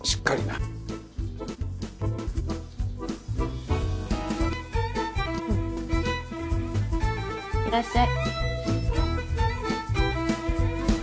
いってらっしゃい。